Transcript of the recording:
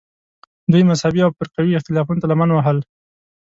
دوی مذهبي او فرقوي اختلافونو ته لمن وهل